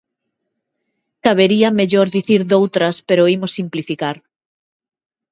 Cabería mellor dicir doutras, pero imos simplificar.